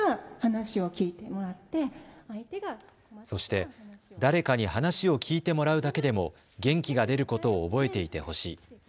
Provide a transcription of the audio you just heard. そして誰かに話を聞いてもらうだけでも元気が出ることを覚えていてほしい。